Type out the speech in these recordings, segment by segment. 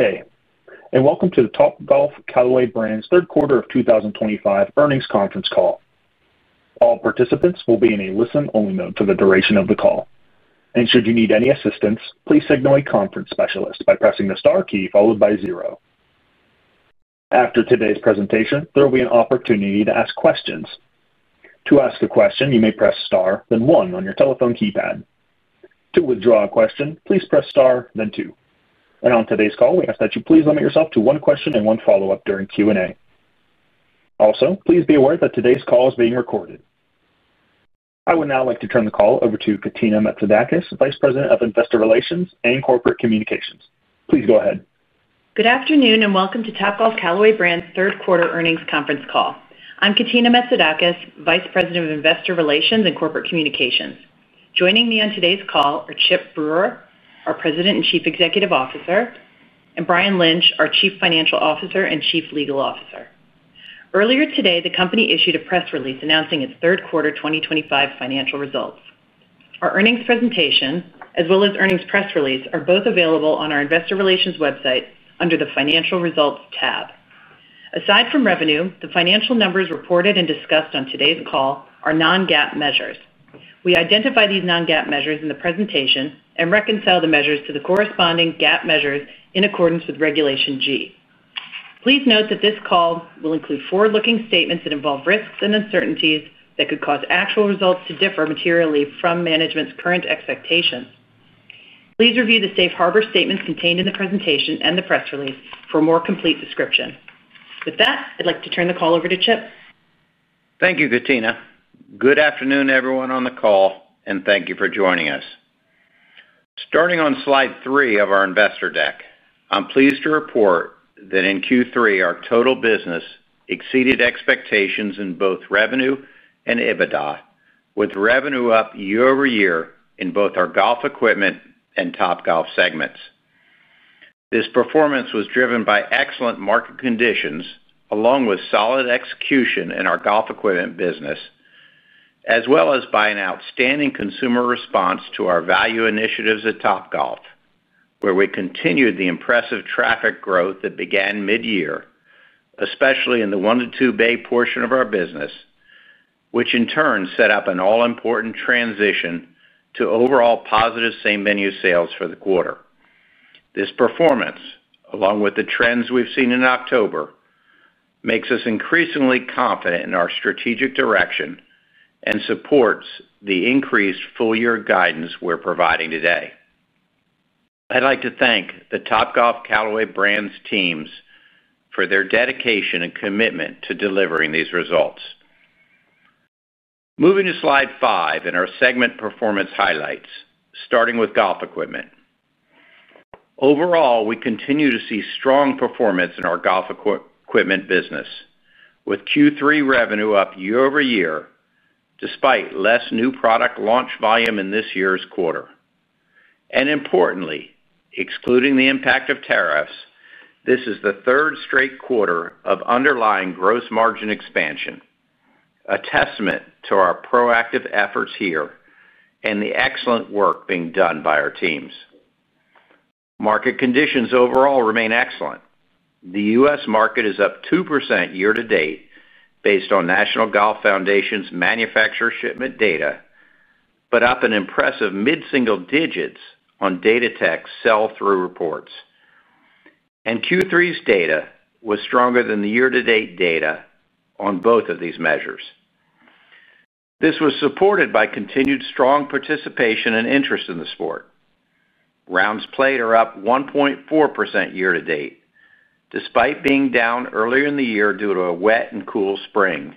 Good day, and welcome to the Topgolf Callaway Brands Third Quarter of 2025 Earnings Conference Call. All participants will be in a listen-only mode for the duration of the call. Should you need any assistance, please signal a conference specialist by pressing the star key followed by zero. After today's presentation, there will be an opportunity to ask questions. To ask a question, you may press star, then one on your telephone keypad. To withdraw a question, please press star, then two. On today's call, we ask that you please limit yourself to one question and one follow-up during Q&A. Also, please be aware that today's call is being recorded. I would now like to turn the call over to Katina Metzidakis, Vice President of Investor Relations and Corporate Communications. Please go ahead. Good afternoon, and welcome to Topgolf Callaway Brands Third Quarter Earnings Conference Call. I'm Katina Metzidakis, Vice President of Investor Relations and Corporate Communications. Joining me on today's call are Chip Brewer, our President and Chief Executive Officer, and Brian Lynch, our Chief Financial Officer and Chief Legal Officer. Earlier today, the company issued a press release announcing its Third Quarter 2025 Financial Results. Our earnings presentation, as well as earnings press release, are both available on our Investor Relations website under the Financial Results tab. Aside from revenue, the financial numbers reported and discussed on today's call are non-GAAP measures. We identify these non-GAAP measures in the presentation and reconcile the measures to the corresponding GAAP measures in accordance with Regulation G. Please note that this call will include forward-looking statements that involve risks and uncertainties that could cause actual results to differ materially from management's current expectations. Please review the safe harbor statements contained in the presentation and the press release for a more complete description. With that, I'd like to turn the call over to Chip. Thank you, Katina. Good afternoon, everyone on the call, and thank you for joining us. Starting on slide three of our investor deck, I'm pleased to report that in Q3, our total business exceeded expectations in both revenue and EBITDA, with revenue up year-over-year in both our golf equipment and Topgolf segments. This performance was driven by excellent market conditions, along with solid execution in our golf equipment business, as well as by an outstanding consumer response to our value initiatives at Topgolf, where we continued the impressive traffic growth that began mid-year, especially in the one to two bay portion of our business, which in turn set up an all-important transition to overall positive same-venue sales for the quarter. This performance, along with the trends we've seen in October, makes us increasingly confident in our strategic direction and supports the increased full-year guidance we're providing today. I'd like to thank the Topgolf Callaway Brands teams for their dedication and commitment to delivering these results. Moving to slide five in our segment performance highlights, starting with golf equipment. Overall, we continue to see strong performance in our golf equipment business. With Q3 revenue up year-over-year, despite less new product launch volume in this year's quarter. And importantly, excluding the impact of tariffs, this is the third straight quarter of underlying gross margin expansion. A testament to our proactive efforts here and the excellent work being done by our teams. Market conditions overall remain excellent. The US market is up 2% year to date based on National Golf Foundation's manufacturer shipment data, but up an impressive mid-single digits on data tech sell-through reports. And Q3's data was stronger than the year-to-date data on both of these measures. This was supported by continued strong participation and interest in the sport. Rounds played are up 1.4% year to date, despite being down earlier in the year due to a wet and cool spring,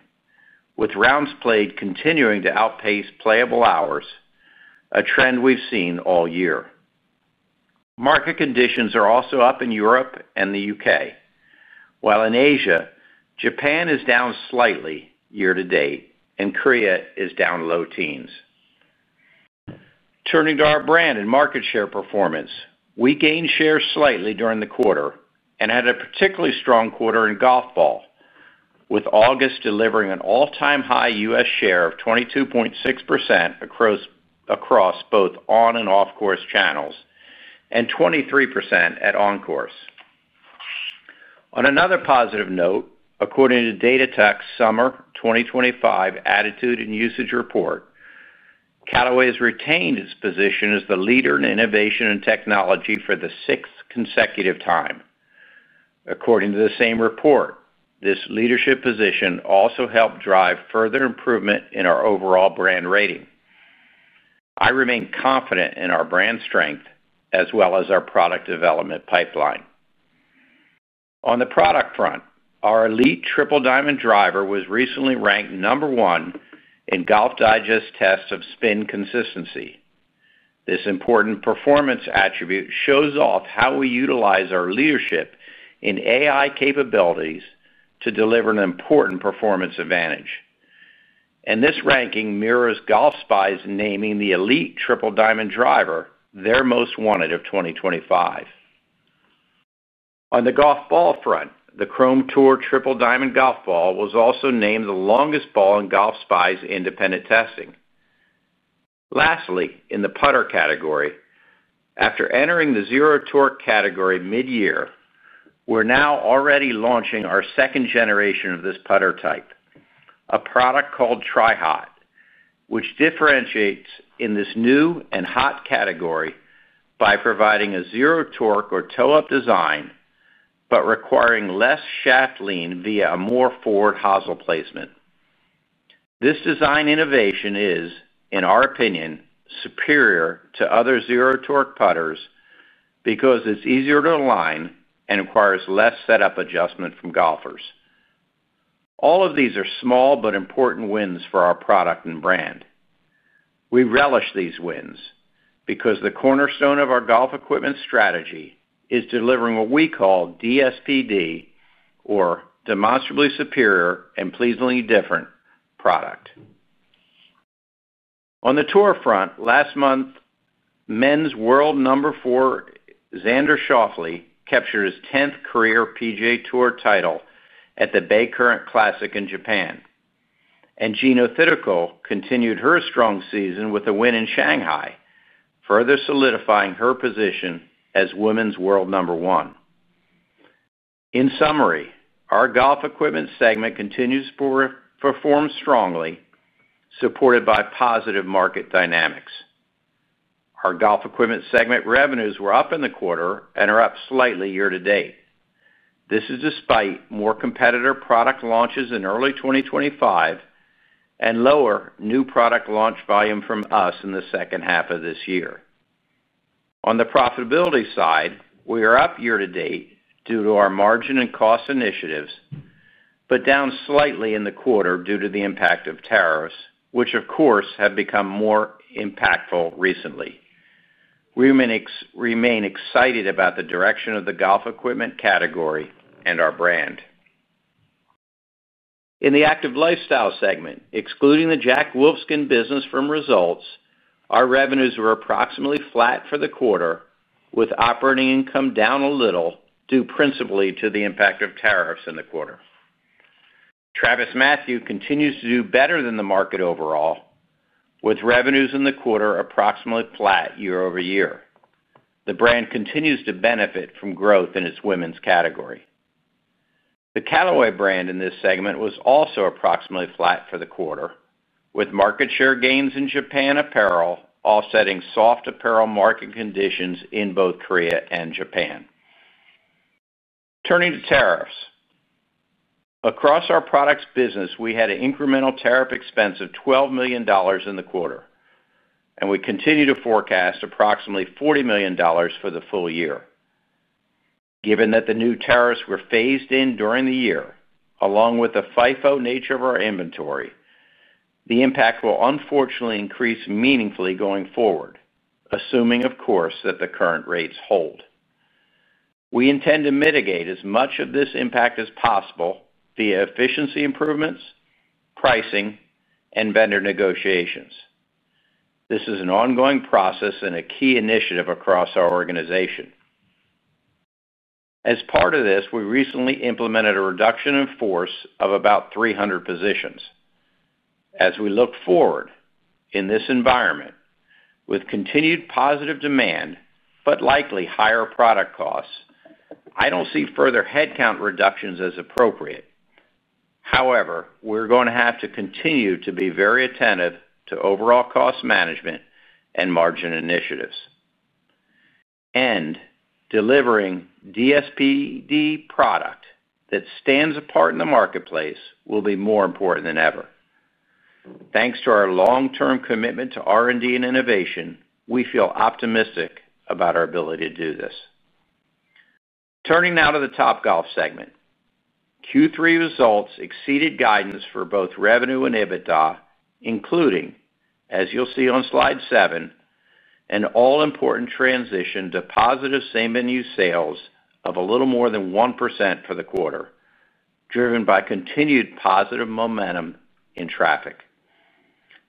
with rounds played continuing to outpace playable hours, a trend we've seen all year. Market conditions are also up in Europe and the U.K. While in Asia, Japan is down slightly year to date, and Korea is down low teens. Turning to our brand and market share performance, we gained share slightly during the quarter and had a particularly strong quarter in golf ball, with August delivering an all-time high US share of 22.6% across both on- and off-course channels, and 23% at on-course. On another positive note, according to DataTech's Summer 2025 Attitude and Usage Report. Callaway has retained its position as the leader in innovation and technology for the sixth consecutive time. According to the same report, this leadership position also helped drive further improvement in our overall brand rating. I remain confident in our brand strength as well as our product development pipeline. On the product front, our elite triple diamond driver was recently ranked number one in Golf Digest's test of spin consistency. This important performance attribute shows off how we utilize our leadership in AI capabilities to deliver an important performance advantage. And this ranking mirrors Golf Spy's naming the elite triple diamond driver their most wanted of 2025. On the golf ball front, the Chrome Tour Triple Diamond Golf Ball was also named the longest ball in Golf Spy's independent testing. Lastly, in the putter category, after entering the zero torque category mid-year, we're now already launching our second generation of this putter type, a product called TriHot, which differentiates in this new and hot category by providing a zero torque or toe-up design. But requiring less shaft lean via a more forward hosel placement. This design innovation is, in our opinion, superior to other zero torque putters because it's easier to align and requires less setup adjustment from golfers. All of these are small but important wins for our product and brand. We relish these wins because the cornerstone of our golf equipment strategy is delivering what we call DSPD, or demonstrably superior and pleasingly different product. On the tour front, last month. Men's world number four, Xander Schauffele, captured his 10th career PGA Tour title at the Bay Current Classic in Japan. And Gina Thittakel continued her strong season with a win in Shanghai, further solidifying her position as women's world number one. In summary, our golf equipment segment continues to perform strongly. Supported by positive market dynamics. Our golf equipment segment revenues were up in the quarter and are up slightly year to date. This is despite more competitor product launches in early 2025. And lower new product launch volume from us in the second half of this year. On the profitability side, we are up year to date due to our margin and cost initiatives, but down slightly in the quarter due to the impact of tariffs, which, of course, have become more impactful recently. We remain excited about the direction of the golf equipment category and our brand. In the active lifestyle segment, excluding the Jack Wolfskin business from results, our revenues were approximately flat for the quarter, with operating income down a little due principally to the impact of tariffs in the quarter. Travis Matthew continues to do better than the market overall. With revenues in the quarter approximately flat year over year. The brand continues to benefit from growth in its women's category. The Callaway brand in this segment was also approximately flat for the quarter, with market share gains in Japan apparel offsetting soft apparel market conditions in both Korea and Japan. Turning to tariffs. Across our products business, we had an incremental tariff expense of $12 million in the quarter, and we continue to forecast approximately $40 million for the full year. Given that the new tariffs were phased in during the year, along with the FIFO nature of our inventory, the impact will unfortunately increase meaningfully going forward, assuming, of course, that the current rates hold. We intend to mitigate as much of this impact as possible via efficiency improvements, pricing, and vendor negotiations. This is an ongoing process and a key initiative across our organization. As part of this, we recently implemented a reduction in force of about 300 positions. As we look forward in this environment, with continued positive demand but likely higher product costs, I don't see further headcount reductions as appropriate. However, we're going to have to continue to be very attentive to overall cost management and margin initiatives. And delivering DSPD product that stands apart in the marketplace will be more important than ever. Thanks to our long-term commitment to R&D and innovation, we feel optimistic about our ability to do this. Turning now to the Topgolf segment. Q3 results exceeded guidance for both revenue and EBITDA, including, as you'll see on slide seven, an all-important transition to positive same-venue sales of a little more than 1% for the quarter, driven by continued positive momentum in traffic.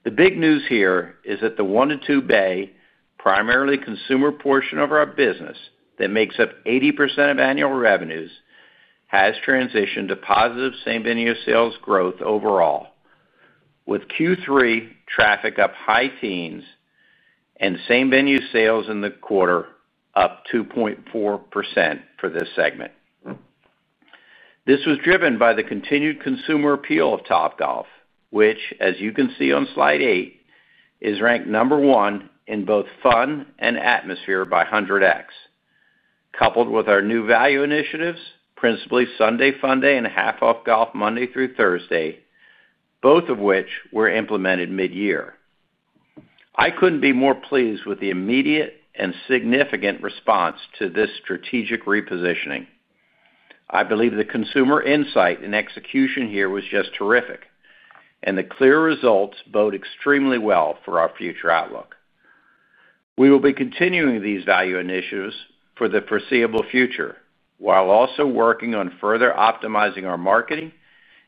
The big news here is that the one to two bay, primarily consumer portion of our business that makes up 80% of annual revenues, has transitioned to positive same-venue sales growth overall. With Q3 traffic up high teens. And same-venue sales in the quarter up 2.4% for this segment. This was driven by the continued consumer appeal of Topgolf, which, as you can see on slide eight, is ranked number one in both fun and atmosphere by 100X. Coupled with our new value initiatives, principally Sunday Funday and half-off golf Monday through Thursday. Both of which were implemented mid-year. I couldn't be more pleased with the immediate and significant response to this strategic repositioning. I believe the consumer insight and execution here was just terrific, and the clear results bode extremely well for our future outlook. We will be continuing these value initiatives for the foreseeable future while also working on further optimizing our marketing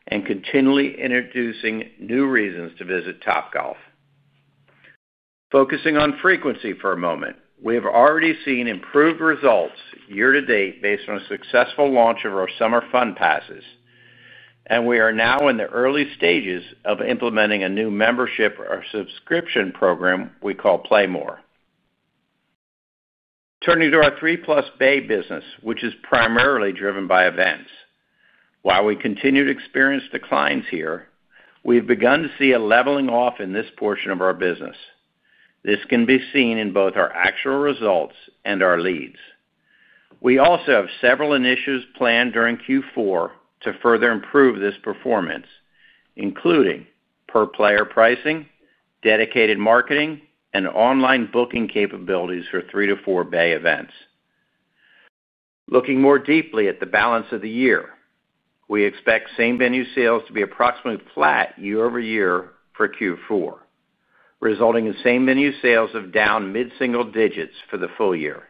and continually introducing new reasons to visit Topgolf. Focusing on frequency for a moment, we have already seen improved results year to date based on a successful launch of our summer fun passes. And we are now in the early stages of implementing a new membership or subscription program we call Play More. Turning to our three plus bay business, which is primarily driven by events. While we continued to experience declines here, we've begun to see a leveling off in this portion of our business. This can be seen in both our actual results and our leads. We also have several initiatives planned during Q4 to further improve this performance, including. Per player pricing, dedicated marketing, and online booking capabilities for three to four bay events. Looking more deeply at the balance of the year, we expect same-venue sales to be approximately flat year over year for Q4. Resulting in same-venue sales of down mid-single digits for the full year.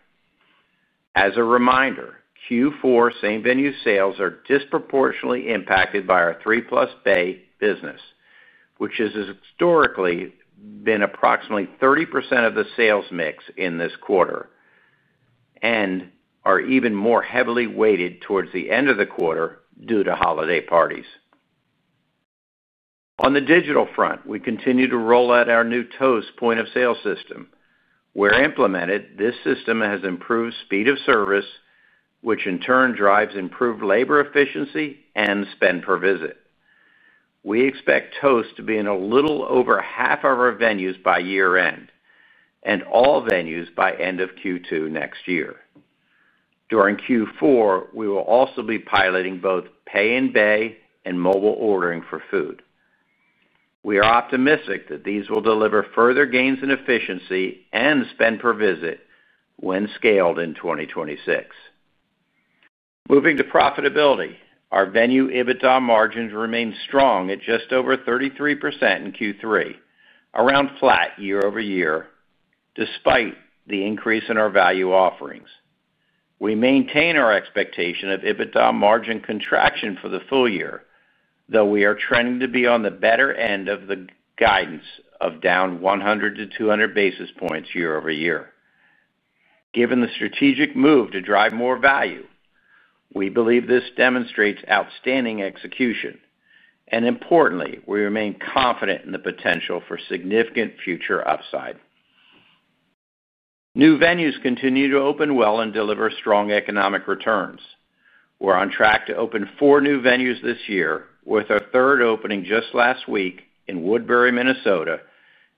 As a reminder, Q4 same-venue sales are disproportionately impacted by our three plus bay business. Which has historically been approximately 30% of the sales mix in this quarter. And are even more heavily weighted towards the end of the quarter due to holiday parties. On the digital front, we continue to roll out our new Toast point of sale system. Where implemented, this system has improved speed of service, which in turn drives improved labor efficiency and spend per visit. We expect Toast to be in a little over half of our venues by year end. And all venues by end of Q2 next year. During Q4, we will also be piloting both pay and bay and mobile ordering for food. We are optimistic that these will deliver further gains in efficiency and spend per visit when scaled in 2026. Moving to profitability, our venue EBITDA margins remain strong at just over 33% in Q3, around flat year over year, despite the increase in our value offerings. We maintain our expectation of EBITDA margin contraction for the full year, though we are trending to be on the better end of the guidance of down 100-200 basis points year over year. Given the strategic move to drive more value, we believe this demonstrates outstanding execution. And importantly, we remain confident in the potential for significant future upside. New venues continue to open well and deliver strong economic returns. We're on track to open four new venues this year, with a third opening just last week in Woodbury, Minnesota,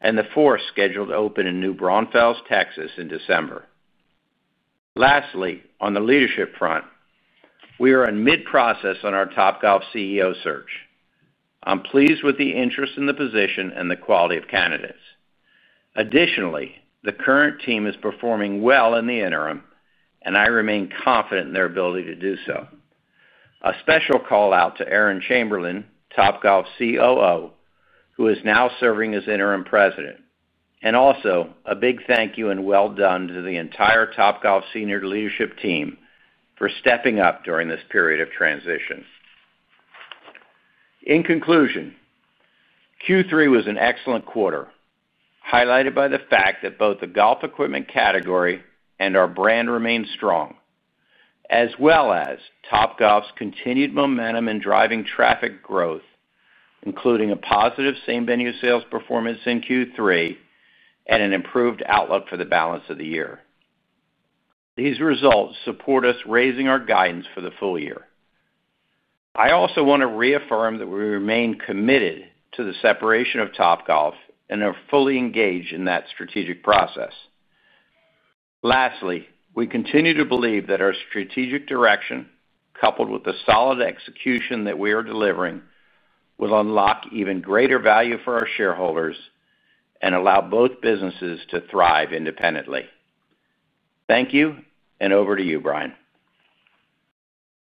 and the fourth scheduled to open in New Braunfels, Texas, in December. Lastly, on the leadership front. We are in mid-process on our Topgolf CEO search. I'm pleased with the interest in the position and the quality of candidates. Additionally, the current team is performing well in the interim, and I remain confident in their ability to do so. A special call out to Aaron Chamberlain, Topgolf COO, who is now serving as interim president. And also, a big thank you and well done to the entire Topgolf senior leadership team for stepping up during this period of transition. In conclusion. Q3 was an excellent quarter, highlighted by the fact that both the golf equipment category and our brand remained strong. As well as Topgolf's continued momentum in driving traffic growth. Including a positive same-venue sales performance in Q3. And an improved outlook for the balance of the year. These results support us raising our guidance for the full year. I also want to reaffirm that we remain committed to the separation of Topgolf and are fully engaged in that strategic process. Lastly, we continue to believe that our strategic direction, coupled with the solid execution that we are delivering, will unlock even greater value for our shareholders and allow both businesses to thrive independently. Thank you, and over to you, Brian.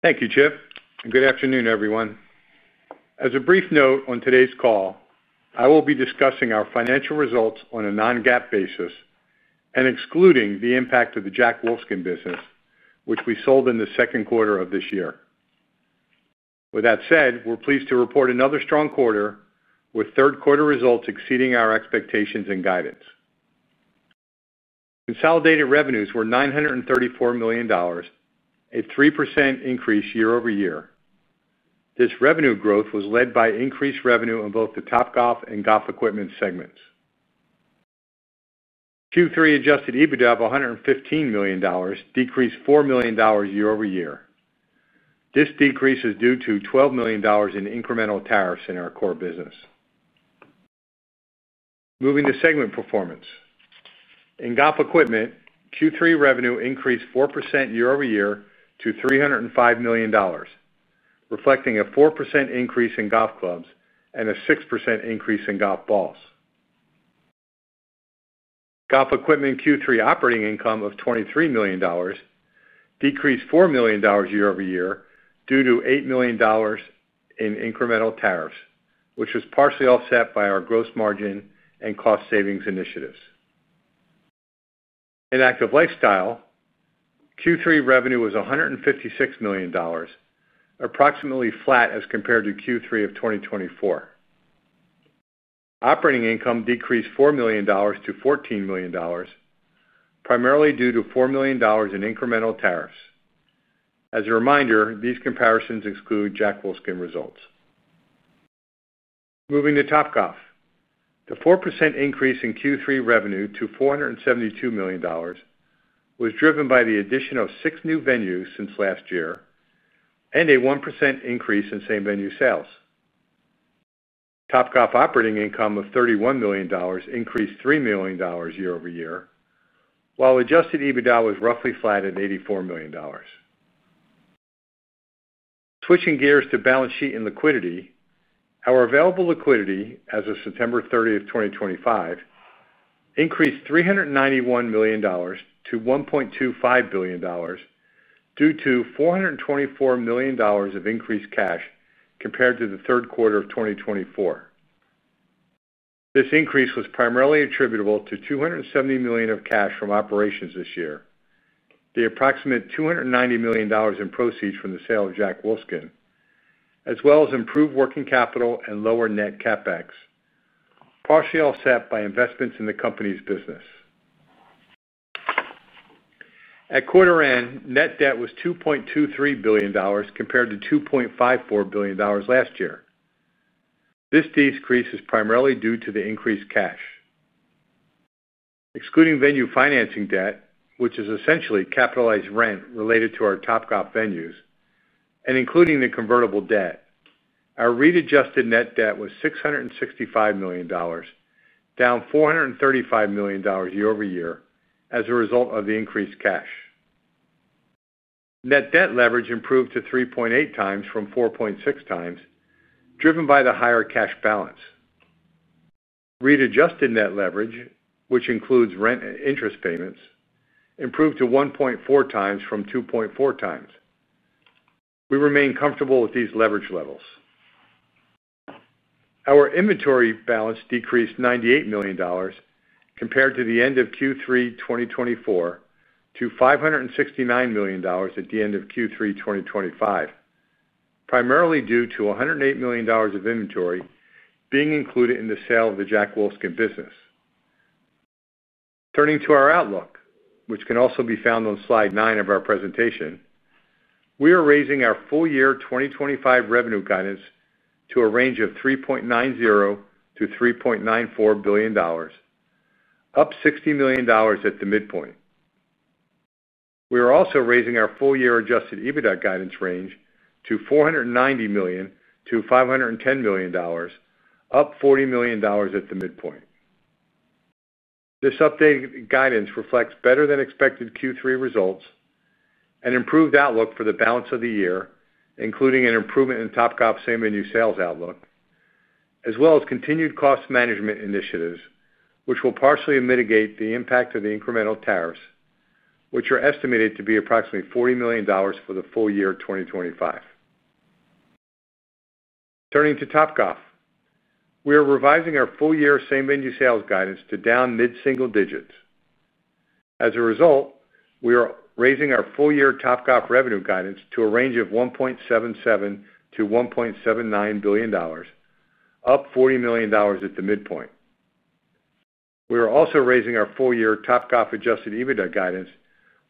Thank you, Chip. And good afternoon, everyone. As a brief note on today's call, I will be discussing our financial results on a non-gap basis and excluding the impact of the Jack Wolfskin business, which we sold in the second quarter of this year. With that said, we're pleased to report another strong quarter, with third quarter results exceeding our expectations and guidance. Consolidated revenues were $934 million. A 3% increase year over year. This revenue growth was led by increased revenue in both the Topgolf and golf equipment segments. Q3 adjusted EBITDA of $115 million, decreased $4 million year over year. This decrease is due to $12 million in incremental tariffs in our core business. Moving to segment performance. In golf equipment, Q3 revenue increased 4% year over year to $305 million. Reflecting a 4% increase in golf clubs and a 6% increase in golf balls. Golf equipment Q3 operating income of $23 million. Decreased $4 million year over year due to $8 million. In incremental tariffs, which was partially offset by our gross margin and cost savings initiatives. In active lifestyle. Q3 revenue was $156 million. Approximately flat as compared to Q3 of 2024. Operating income decreased $4 million to $14 million. Primarily due to $4 million in incremental tariffs. As a reminder, these comparisons exclude Jack Wolfskin results. Moving to Topgolf. The 4% increase in Q3 revenue to $472 million. Was driven by the addition of six new venues since last year. And a 1% increase in same-venue sales. Topgolf operating income of $31 million increased $3 million year over year, while adjusted EBITDA was roughly flat at $84 million. Switching gears to balance sheet and liquidity, our available liquidity as of September 30th, 2025. Increased $391 million to $1.25 billion. Due to $424 million of increased cash compared to the third quarter of 2024. This increase was primarily attributable to $270 million of cash from operations this year, the approximate $290 million in proceeds from the sale of Jack Wolfskin, as well as improved working capital and lower net CapEx. Partially offset by investments in the company's business. At quarter end, net debt was $2.23 billion compared to $2.54 billion last year. This decrease is primarily due to the increased cash. Excluding venue financing debt, which is essentially capitalized rent related to our Topgolf venues, and including the convertible debt, our readjusted net debt was $665 million. Down $435 million year over year as a result of the increased cash. Net debt leverage improved to 3.8 times from 4.6 times, driven by the higher cash balance. Readjusted net leverage, which includes rent and interest payments, improved to 1.4 times from 2.4 times. We remain comfortable with these leverage levels. Our inventory balance decreased $98 million. Compared to the end of Q3 2024 to $569 million at the end of Q3 2025. Primarily due to $108 million of inventory being included in the sale of the Jack Wolfskin business. Turning to our outlook, which can also be found on slide nine of our presentation. We are raising our full year 2025 revenue guidance to a range of $3.90-$3.94 billion. Up $60 million at the midpoint. We are also raising our full year adjusted EBITDA guidance range to $490 million-$510 million, up $40 million at the midpoint. This updated guidance reflects better than expected Q3 results and improved outlook for the balance of the year, including an improvement in Topgolf same-venue sales outlook, as well as continued cost management initiatives, which will partially mitigate the impact of the incremental tariffs, which are estimated to be approximately $40 million for the full year 2025. Turning to Topgolf. We are revising our full year same-venue sales guidance to down mid-single digits. As a result, we are raising our full year Topgolf revenue guidance to a range of $1.77-$1.79 billion. Up $40 million at the midpoint. We are also raising our full year Topgolf adjusted EBITDA guidance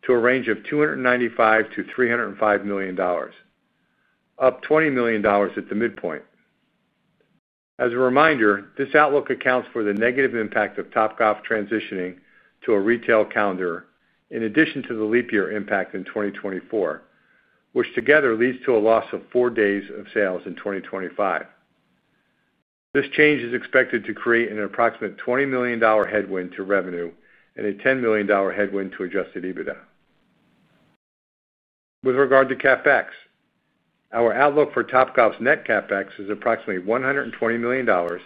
to a range of $295-$305 million. Up $20 million at the midpoint. As a reminder, this outlook accounts for the negative impact of Topgolf transitioning to a retail calendar, in addition to the leap year impact in 2024, which together leads to a loss of four days of sales in 2025. This change is expected to create an approximate $20 million headwind to revenue and a $10 million headwind to adjusted EBITDA. With regard to CapEx, our outlook for Topgolf's net CapEx is approximately $120 million.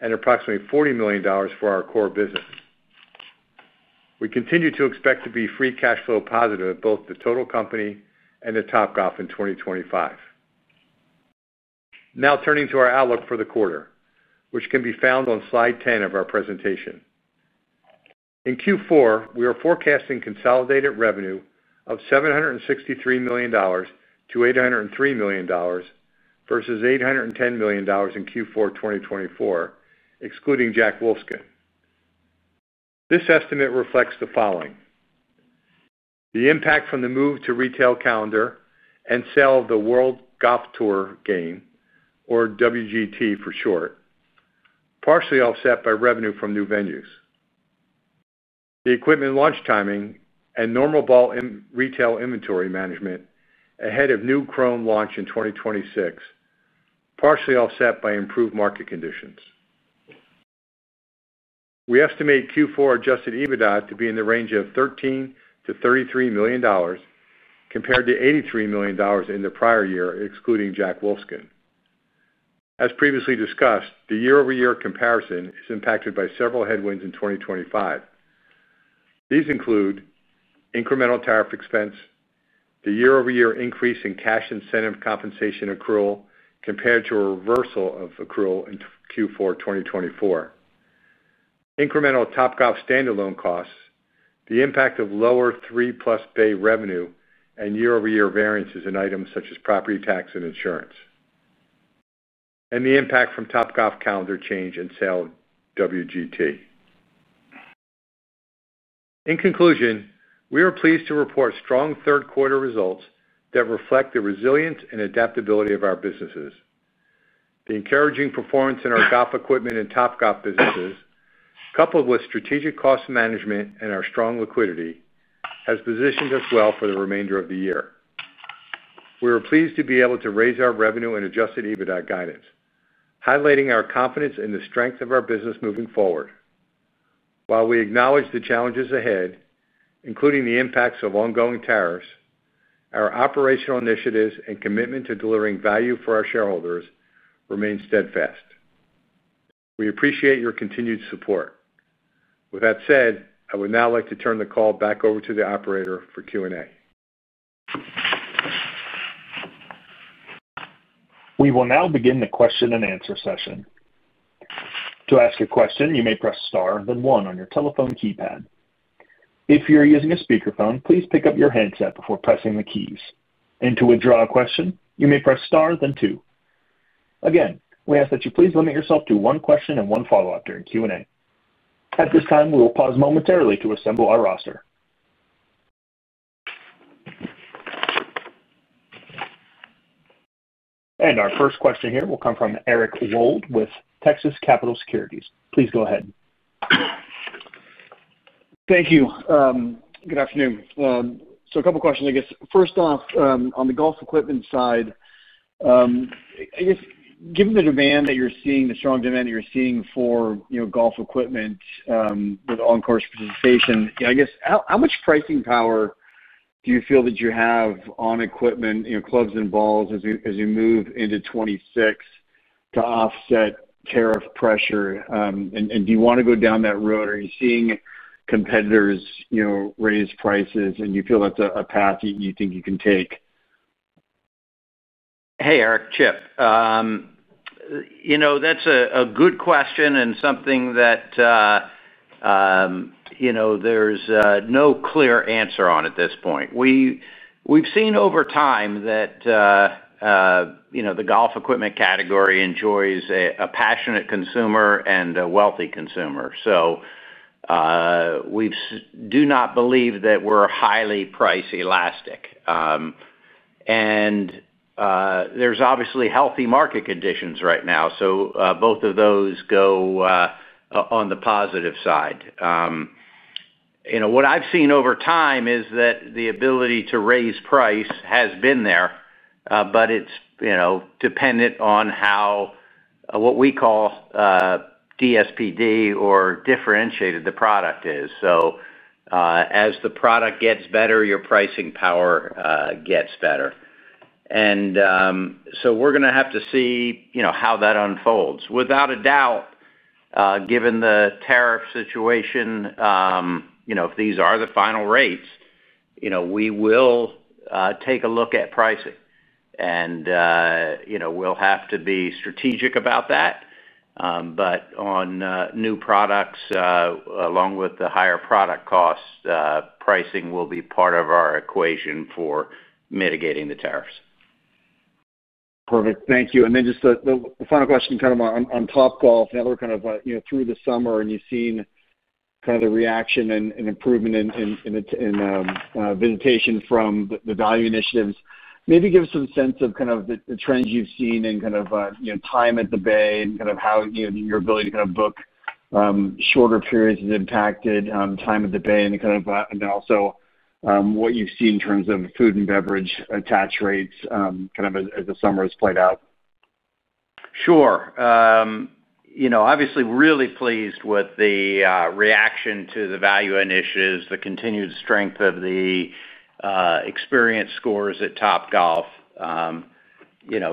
And approximately $40 million for our core business. We continue to expect to be free cash flow positive at both the total company and at Topgolf in 2025. Now turning to our outlook for the quarter, which can be found on slide 10 of our presentation. In Q4, we are forecasting consolidated revenue of $763 million to $803 million. Versus $810 million in Q4 2024, excluding Jack Wolfskin. This estimate reflects the following. The impact from the move to retail calendar and sale of the World Golf Tour game, or WGT for short. Partially offset by revenue from new venues. The equipment launch timing and normal ball retail inventory management ahead of new chrome launch in 2026. Partially offset by improved market conditions. We estimate Q4 adjusted EBITDA to be in the range of $13-$33 million. Compared to $83 million in the prior year, excluding Jack Wolfskin. As previously discussed, the year-over-year comparison is impacted by several headwinds in 2025. These include. Incremental tariff expense, the year-over-year increase in cash incentive compensation accrual compared to a reversal of accrual in Q4 2024. Incremental Topgolf standalone costs, the impact of lower three-plus bay revenue, and year-over-year variances in items such as property tax and insurance. And the impact from Topgolf calendar change and sale of WGT. In conclusion, we are pleased to report strong third quarter results that reflect the resilience and adaptability of our businesses. The encouraging performance in our golf equipment and Topgolf businesses, coupled with strategic cost management and our strong liquidity, has positioned us well for the remainder of the year. We are pleased to be able to raise our revenue and adjusted EBITDA guidance, highlighting our confidence in the strength of our business moving forward. While we acknowledge the challenges ahead, including the impacts of ongoing tariffs, our operational initiatives and commitment to delivering value for our shareholders remain steadfast. We appreciate your continued support. With that said, I would now like to turn the call back over to the operator for Q&A. We will now begin the question and answer session. To ask a question, you may press star then one on your telephone keypad. If you're using a speakerphone, please pick up your handset before pressing the keys. And to withdraw a question, you may press star then two. Again, we ask that you please limit yourself to one question and one follow-up during Q&A. At this time, we will pause momentarily to assemble our roster. And our first question here will come from Eric Wold with Texas Capital Securities. Please go ahead. Thank you. Good afternoon. So a couple of questions, I guess. First off, on the golf equipment side. I guess, given the demand that you're seeing, the strong demand that you're seeing for golf equipment. With on-course participation, I guess, how much pricing power do you feel that you have on equipment, clubs and balls, as you move into '26. To offset tariff pressure? And do you want to go down that road, or are you seeing competitors. Raise prices, and you feel that's a path you think you can take? Hey, Eric, Chip. That's a good question and something that. There's no clear answer on at this point. We've seen over time that. The golf equipment category enjoys a passionate consumer and a wealthy consumer. So. We do not believe that we're highly price elastic. And. There's obviously healthy market conditions right now, so both of those go. On the positive side. What I've seen over time is that the ability to raise price has been there, but it's dependent on how. What we call. DSPD or differentiated the product is. So. As the product gets better, your pricing power gets better. And. So we're going to have to see how that unfolds. Without a doubt, given the tariff situation. If these are the final rates. We will. Take a look at pricing. And. We'll have to be strategic about that. But on new products, along with the higher product costs, pricing will be part of our equation for mitigating the tariffs. Perfect. Thank you. And then just the final question kind of on Topgolf. Now we're kind of through the summer, and you've seen kind of the reaction and improvement in. Visitation from the value initiatives. Maybe give us some sense of kind of the trends you've seen in kind of time at the bay and kind of how your ability to kind of book. Shorter periods has impacted time at the bay and kind of then also what you've seen in terms of food and beverage attach rates kind of as the summer has played out. Sure. Obviously, really pleased with the reaction to the value initiatives, the continued strength of the. Experience scores at Topgolf.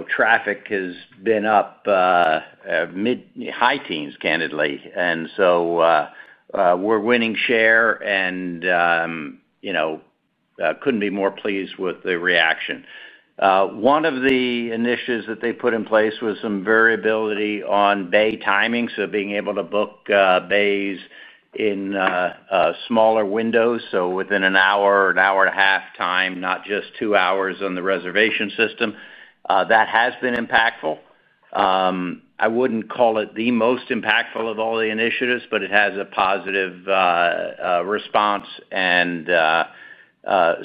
Traffic has been up. Mid-high teens, candidly. And so. We're winning share and. Couldn't be more pleased with the reaction. One of the initiatives that they put in place was some variability on bay timing, so being able to book bays in. Smaller windows, so within an hour, an hour and a half time, not just two hours on the reservation system. That has been impactful. I wouldn't call it the most impactful of all the initiatives, but it has a positive. Response and.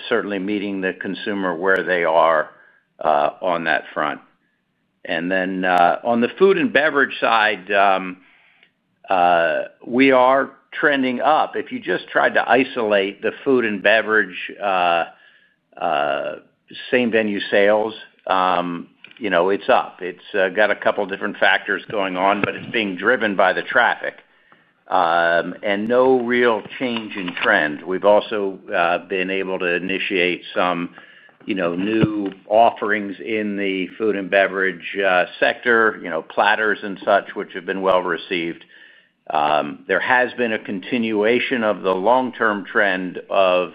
Certainly meeting the consumer where they are. On that front. And then on the food and beverage side. We are trending up. If you just tried to isolate the food and beverage. Same-venue sales. It's up. It's got a couple of different factors going on, but it's being driven by the traffic. And no real change in trend. We've also been able to initiate some. New offerings in the food and beverage sector, platters and such, which have been well received. There has been a continuation of the long-term trend of.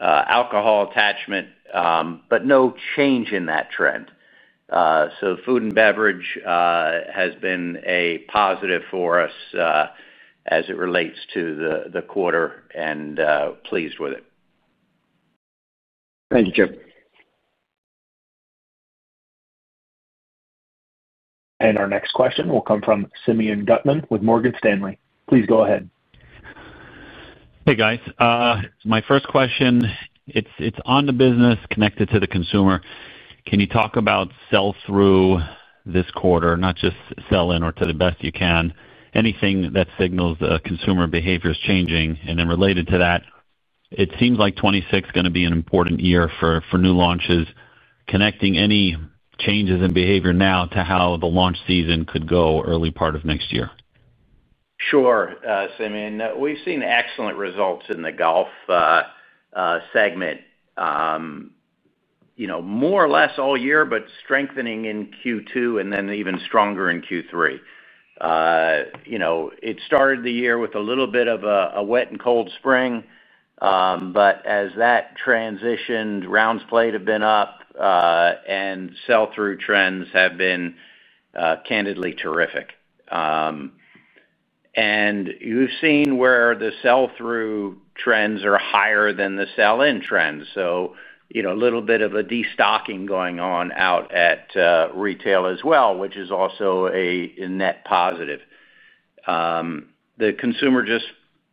Alcohol attachment, but no change in that trend. So food and beverage has been a positive for us. As it relates to the quarter and pleased with it. Thank you, Chip. And our next question will come from Simeon Gutman with Morgan Stanley. Please go ahead. Hey, guys. My first question. It's on the business connected to the consumer. Can you talk about sell-through this quarter, not just sell-in or to the best you can, anything that signals the consumer behavior is changing? And then related to that. It seems like '26 is going to be an important year for new launches. Connecting any changes in behavior now to how the launch season could go early part of next year. Sure, Simeon. We've seen excellent results in the golf. Segment. More or less all year, but strengthening in Q2 and then even stronger in Q3. It started the year with a little bit of a wet and cold spring. But as that transitioned, rounds played have been up. And sell-through trends have been. Candidly terrific. And you've seen where the sell-through trends are higher than the sell-in trends. So a little bit of a destocking going on out at retail as well, which is also a net positive. The consumer just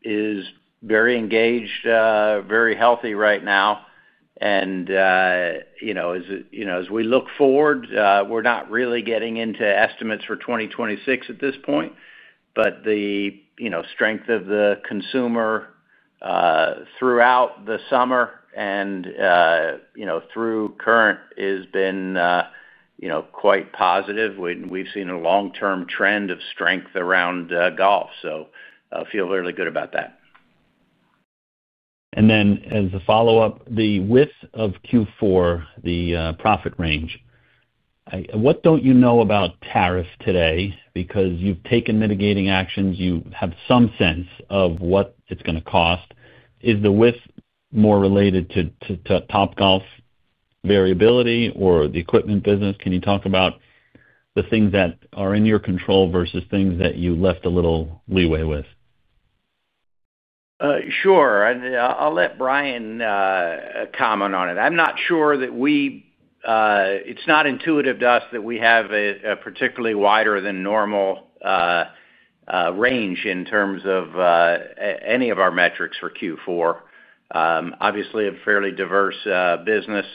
is very engaged, very healthy right now. And. As we look forward, we're not really getting into estimates for 2026 at this point, but the strength of the consumer. Throughout the summer and. Through current has been. Quite positive. We've seen a long-term trend of strength around golf, so I feel really good about that. And then, as a follow-up, the width of Q4, the profit range. What don't you know about tariffs today? Because you've taken mitigating actions, you have some sense of what it's going to cost. Is the width more related to Topgolf variability or the equipment business? Can you talk about. The things that are in your control versus things that you left a little leeway with? Sure. I'll let Brian. Comment on it. I'm not sure that we. It's not intuitive to us that we have a particularly wider than normal. Range in terms of. Any of our metrics for Q4. Obviously, a fairly diverse business.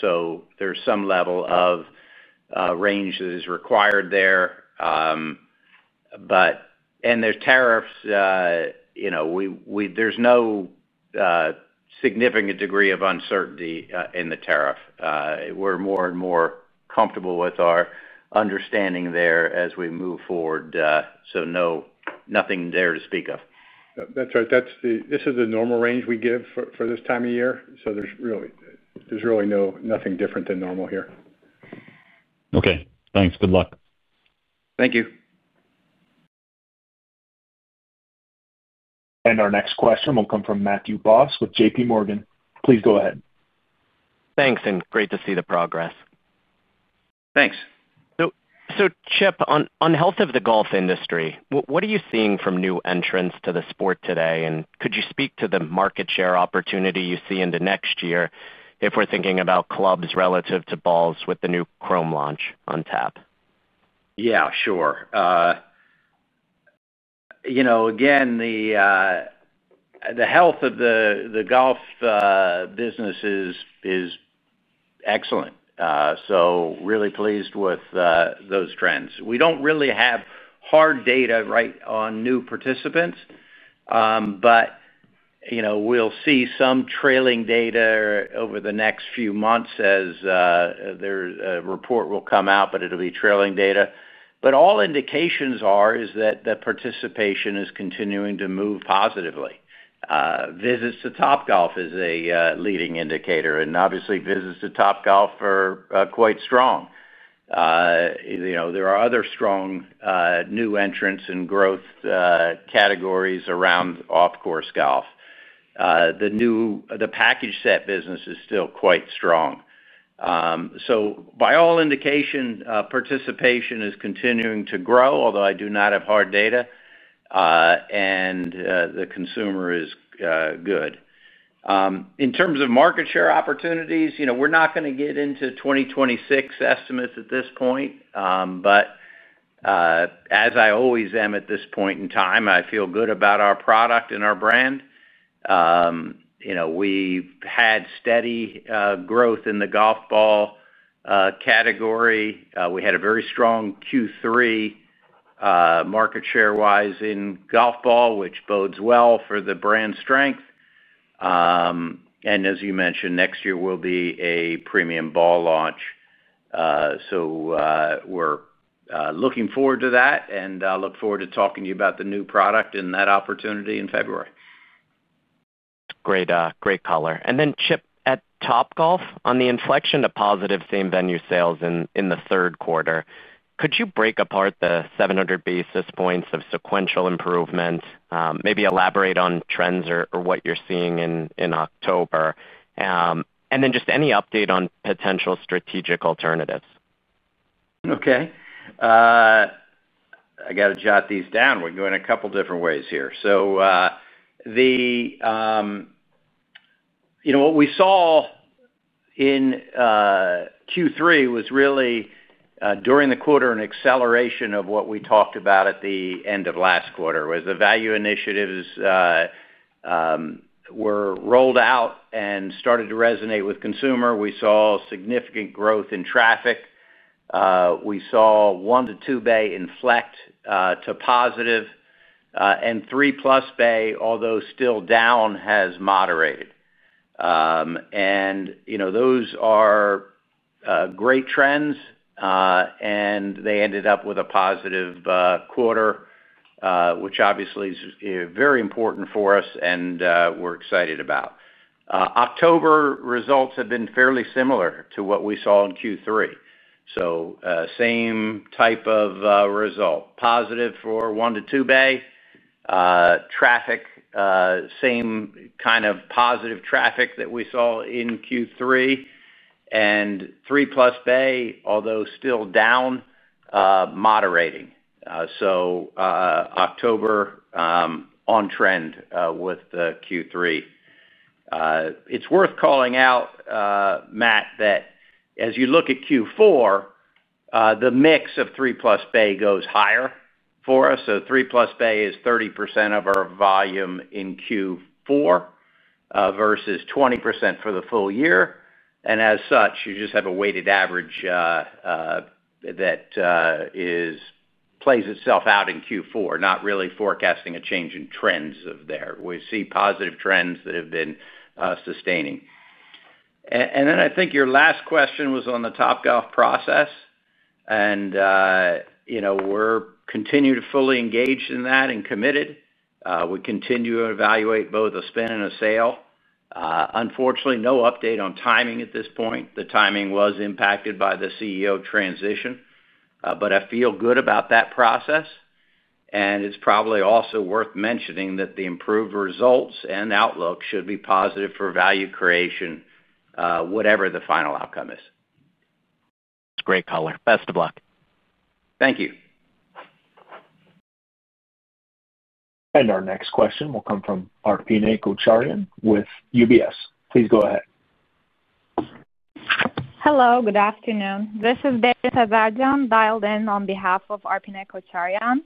So there's some level of. Range that is required there. And there's tariffs. There's no. Significant degree of uncertainty in the tariff. We're more and more comfortable with our understanding there as we move forward. So nothing there to speak of. That's right. This is the normal range we give for this time of year. So there's really nothing different than normal here. Okay. Thanks. Good luck. Thank you. And our next question will come from Matthew Boss with JPMorgan. Please go ahead. Thanks. And great to see the progress. Thanks. So, Chip, on health of the golf industry, what are you seeing from new entrants to the sport today? And could you speak to the market share opportunity you see in the next year if we're thinking about clubs relative to balls with the new chrome launch on tap? Yeah, sure. Again. The health of the golf business is. Excellent. So really pleased with those trends. We don't really have hard data right on new participants. But. We'll see some trailing data over the next few months as. A report will come out, but it'll be trailing data. But all indications are that the participation is continuing to move positively. Visits to Topgolf is a leading indicator. And obviously, visits to Topgolf are quite strong. There are other strong new entrants and growth categories around off-course golf. The. Package set business is still quite strong. So by all indications, participation is continuing to grow, although I do not have hard data. And the consumer is good. In terms of market share opportunities, we're not going to get into 2026 estimates at this point. But. As I always am at this point in time, I feel good about our product and our brand. We've had steady growth in the golf ball. Category. We had a very strong Q3. Market share-wise in golf ball, which bodes well for the brand strength. And as you mentioned, next year will be a premium ball launch. So. We're looking forward to that, and I look forward to talking to you about the new product and that opportunity in February. Great. Color.And then, Chip, at Topgolf, on the inflection of positive same-venue sales in the third quarter, could you break apart the 700 basis points of sequential improvement, maybe elaborate on trends or what you're seeing in October? And then just any update on potential strategic alternatives. Okay. I got to jot these down. We're going a couple of different ways here. So. What we saw. In. Q3 was really, during the quarter, an acceleration of what we talked about at the end of last quarter, was the value initiatives. Were rolled out and started to resonate with consumer. We saw significant growth in traffic. We saw one to two-bay inflect to positive. And three-plus-bay, although still down, has moderated. And those are. Great trends. And they ended up with a positive quarter. Which obviously is very important for us and we're excited about. October results have been fairly similar to what we saw in Q3. So same type of result. Positive for one to two-bay. Traffic. Same kind of positive traffic that we saw in Q3. And three-plus-bay, although still down. Moderating. So. October. On trend with Q3. It's worth calling out. Matt, that as you look at Q4. The mix of three-plus-bay goes higher for us. So three-plus-bay is 30% of our volume in Q4. Versus 20% for the full year. And as such, you just have a weighted average. That. Plays itself out in Q4, not really forecasting a change in trends there. We see positive trends that have been sustaining. And then I think your last question was on the Topgolf process. And. We're continuing to fully engage in that and committed. We continue to evaluate both a spin and a sale. Unfortunately, no update on timing at this point. The timing was impacted by the CEO transition. But I feel good about that process. And it's probably also worth mentioning that the improved results and outlook should be positive for value creation, whatever the final outcome is. That's great, Color. Best of luck. Thank you. And our next question will come from Arpiné Kocharyan with UBS. Please go ahead. Hello. Good afternoon. This is Deniz Azadzhan dialed in on behalf of Arpiné Kocharyan.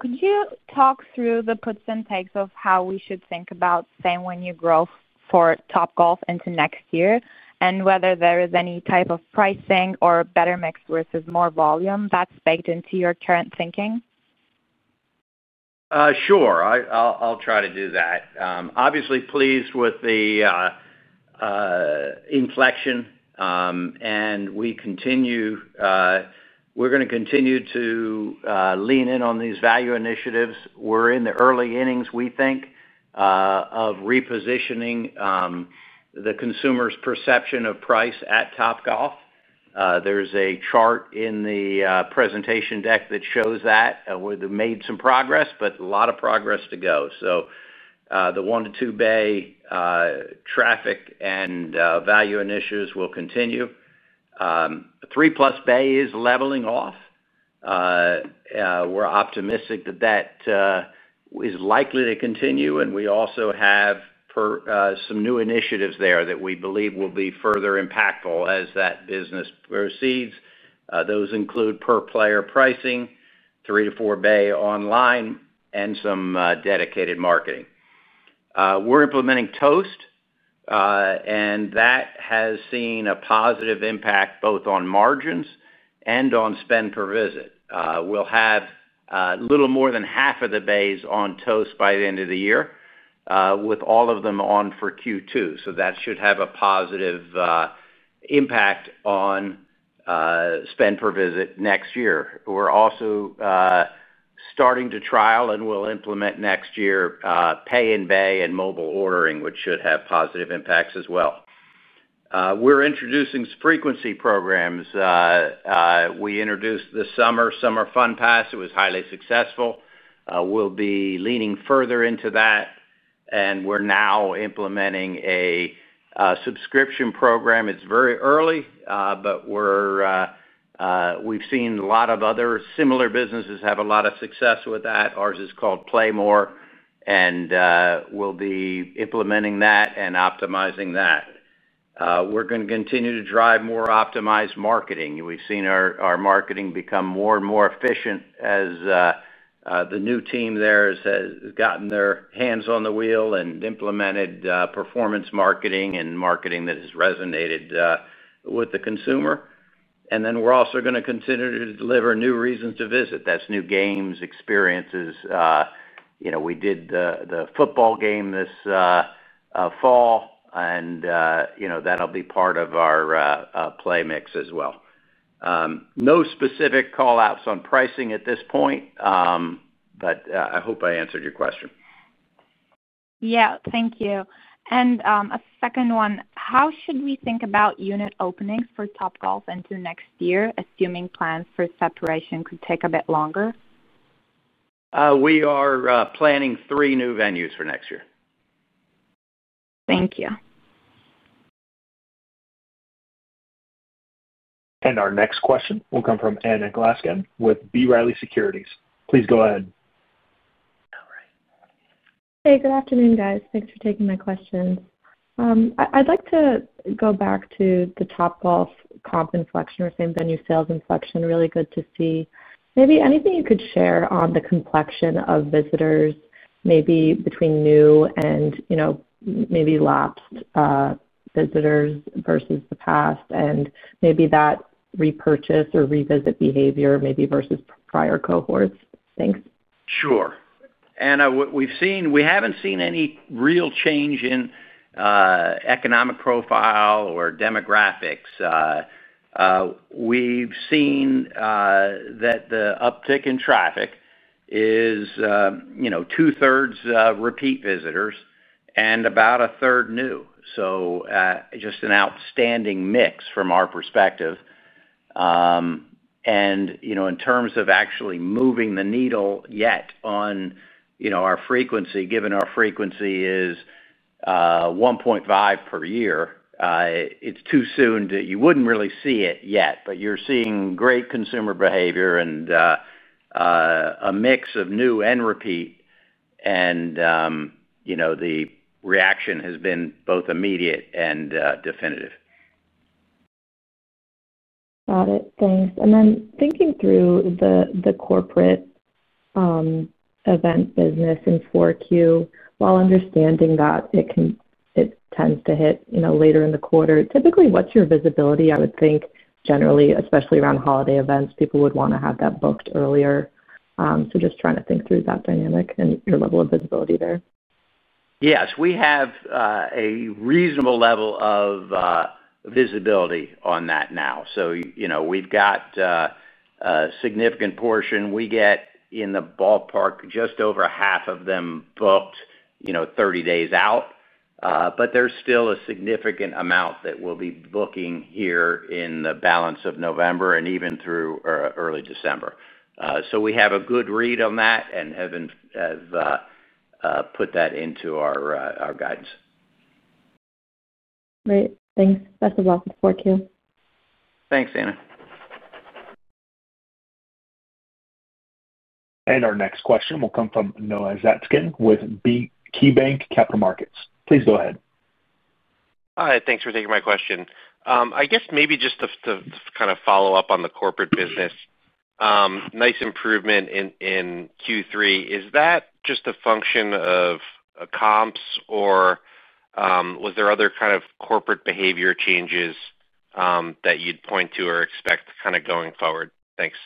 Could you talk through the percentage of how we should think about same-venue growth for Topgolf into next year and whether there is any type of pricing or better mix versus more volume that's baked into your current thinking? Sure. I'll try to do that. Obviously, pleased with the. Inflection. And we're going to continue to. Lean in on these value initiatives. We're in the early innings, we think. Of repositioning. The consumer's perception of price at Topgolf. There's a chart in the presentation deck that shows that we've made some progress, but a lot of progress to go. So. The one to two-bay. Traffic and value initiatives will continue. Three-plus-bay is leveling off. We're optimistic that that. Is likely to continue. And we also have. Some new initiatives there that we believe will be further impactful as that business proceeds. Those include per-player pricing, three-to-four-bay online, and some dedicated marketing. We're implementing toast. And that has seen a positive impact both on margins and on spend per visit. We'll have a little more than half of the bays on toast by the end of the year, with all of them on for Q2. So that should have a positive. Impact on. Spend per visit next year. We're also. Starting to trial and will implement next year pay-in-bay and mobile ordering, which should have positive impacts as well. We're introducing frequency programs. We introduced this summer summer fun pass. It was highly successful. We'll be leaning further into that. And we're now implementing a subscription program. It's very early, but. We've seen a lot of other similar businesses have a lot of success with that. Ours is called Play More, and we'll be implementing that and optimizing that. We're going to continue to drive more optimized marketing. We've seen our marketing become more and more efficient as. The new team there has gotten their hands on the wheel and implemented performance marketing and marketing that has resonated. With the consumer. And then we're also going to continue to deliver new reasons to visit. That's new games, experiences. We did the football game this. Fall, and that'll be part of our play mix as well. No specific callouts on pricing at this point. But I hope I answered your question. Yeah. Thank you. And a second one. How should we think about unit openings for Topgolf into next year, assuming plans for separation could take a bit longer? We are planning three new venues for next year. Thank you. And our next question will come from Anna Glaessgen with B. Riley Securities. Please go ahead. All right. Hey, good afternoon, guys. Thanks for taking my questions. I'd like to go back to the Topgolf comp inflection or same-venue sales inflection. Really good to see. Maybe anything you could share on the complexion of visitors, maybe between new and. Maybe lapsed. Visitors versus the past, and maybe that repurchase or revisit behavior, maybe versus prior cohorts. Thanks. Sure. Anna, we haven't seen any real change in. Economic profile or demographics. We've seen. That the uptick in traffic is. Two-thirds repeat visitors and about a third new. So. Just an outstanding mix from our perspective. And in terms of actually moving the needle yet on. Our frequency, given our frequency is. 1.5 per year, it's too soon that you wouldn't really see it yet. But you're seeing great consumer behavior and. A mix of new and repeat. And. The reaction has been both immediate and definitive. Got it. Thanks. And then thinking through the corporate. Event business in 4Q, while understanding that it. Tends to hit later in the quarter, typically, what's your visibility? I would think, generally, especially around holiday events, people would want to have that booked earlier. So just trying to think through that dynamic and your level of visibility there. Yes. We have. A reasonable level of. Visibility on that now. So we've got. A significant portion. We get, in the ballpark, just over half of them booked 30 days out. But there's still a significant amount that we'll be booking here in the balance of November and even through early December. So we have a good read on that and have. Put that into our guidance. Great. Thanks. Best of luck with 4Q. Thanks, Anna. And our next question will come from Noah Zatzkin with KeyBank Capital Markets. Please go ahead. Hi. Thanks for taking my question. I guess maybe just to kind of follow up on the corporate business. Nice improvement in Q3. Is that just a function of. Comps or. Was there other kind of corporate behavior changes. That you'd point to or expect kind of going forward? Thanks.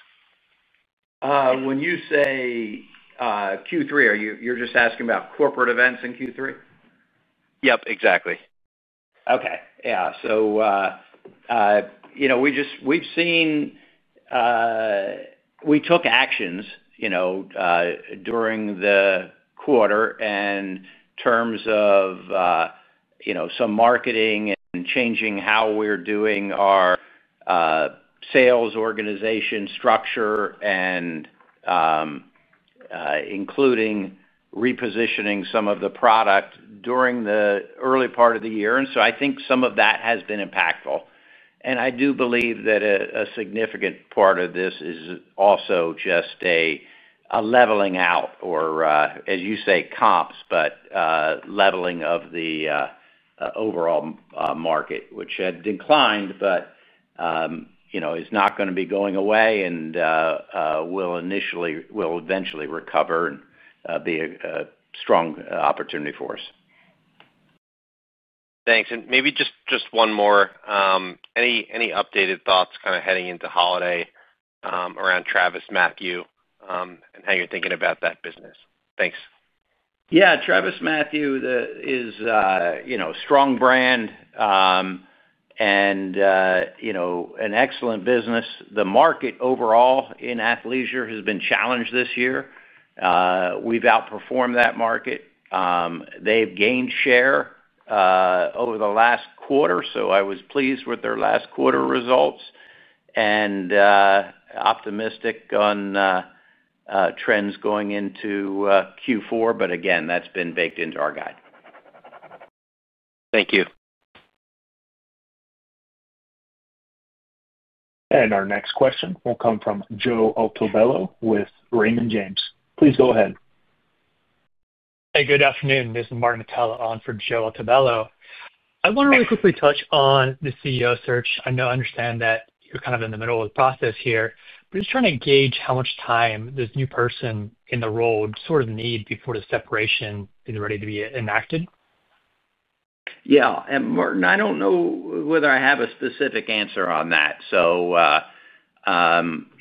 When you say. Q3, you're just asking about corporate events in Q3? Yep. Exactly. Okay. Yeah. So. We've seen. We took actions. During the quarter in terms of. Some marketing and changing how we're doing our. Sales organization structure and. Including repositioning some of the product during the early part of the year. And so I think some of that has been impactful. And I do believe that a significant part of this is also just a leveling out or, as you say, comps, but leveling of the. Overall market, which had declined but. Is not going to be going away and. Will. Eventually recover and be a strong opportunity for us. Thanks. And maybe just one more. Any updated thoughts kind of heading into holiday. Around Travis Mathew and how you're thinking about that business? Thanks. Yeah. Travis Mathew is. A strong brand. And. An excellent business. The market overall in athleisure has been challenged this year. We've outperformed that market. They've gained share. Over the last quarter. So I was pleased with their last quarter results and. Optimistic on. Trends going into. Q4. But again, that's been baked into our guide. Thank you. And our next question will come from Joe Ottobello with Raymond James. Please go ahead. Hey, good afternoon. This is Martin Malloy on for Joe Ottobello. I want to really quickly touch on the CEO search. I know I understand that you're kind of in the middle of the process here, but just trying to gauge how much time this new person in the role sort of need before the separation is ready to be enacted. Yeah. And Martin, I don't know whether I have a specific answer on that. So.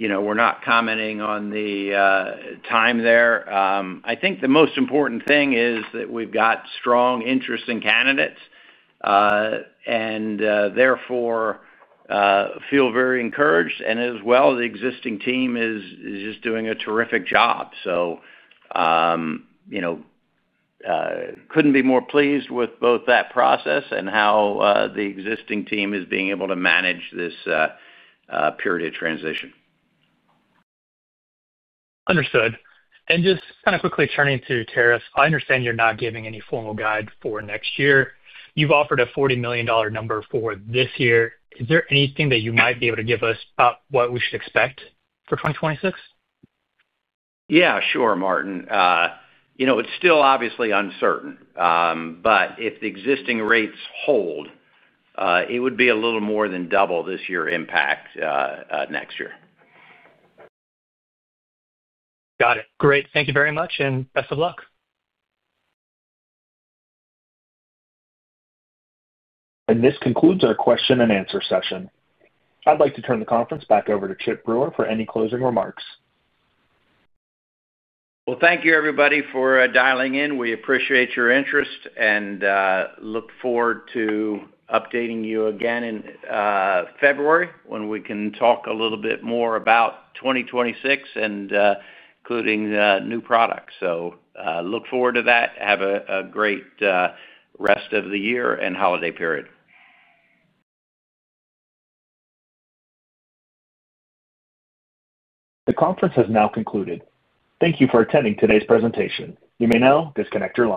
We're not commenting on the. Time there. I think the most important thing is that we've got strong interesting candidates. And therefore. Feel very encouraged. And as well, the existing team is just doing a terrific job. So. Couldn't be more pleased with both that process and how the existing team is being able to manage this. Period of transition. Understood. And just kind of quickly turning to Terrace, I understand you're not giving any formal guide for next year. You've offered a $40 million number for this year. Is there anything that you might be able to give us about what we should expect for 2026? Yeah. Sure, Martin. It's still obviously uncertain. But if the existing rates hold. It would be a little more than double this year's impact next year. Got it. Great. Thank you very much. And best of luck. And this concludes our question and answer session. I'd like to turn the conference back over to Chip Brewer for any closing remarks. Well, thank you, everybody, for dialing in. We appreciate your interest and look forward to updating you again in February when we can talk a little bit more about 2026 and. Including new products. So look forward to that. Have a great. Rest of the year and holiday period. The conference has now concluded. Thank you for attending today's presentation. You may now disconnect your line.